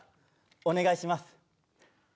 お願いします。